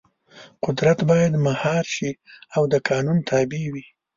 قدرت باید مهار شي او د قانون تابع وي.